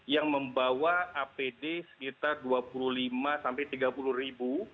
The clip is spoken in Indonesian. yang membawa apd sekitar dua puluh lima sampai tiga puluh ribu